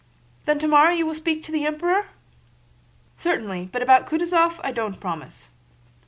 "Then tomorrow you will speak to the Emperor?" "Certainly; but about Kutúzov, I don't promise."